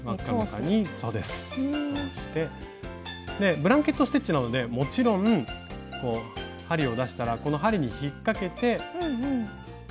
ブランケット・ステッチなのでもちろん針を出したらこの針に引っかけて上に引っ張っても同じことです。